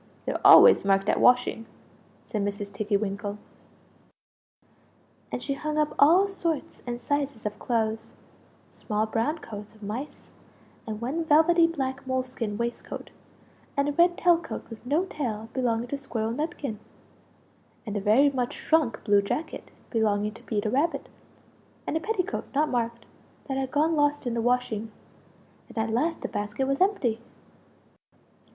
They're always marked at washing!" said Mrs. Tiggy winkle. And she hung up all sorts and sizes of clothes small brown coats of mice; and one velvety black moleskin waist coat; and a red tailcoat with no tail belonging to Squirrel Nutkin; and a very much shrunk blue jacket belonging to Peter Rabbit; and a petticoat, not marked, that had gone lost in the washing and at last the basket was empty!